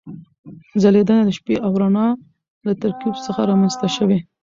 ځلېدنه د شپې او رڼا له ترکیب څخه رامنځته شوې.